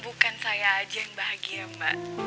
bukan saya aja yang bahagia mbak